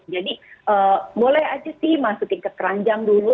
jadi boleh aja sih masukin ke keranjang dulu